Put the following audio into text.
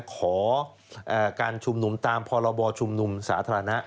ขอการชุมนุมตามพรบชุมนุมสาธารณะ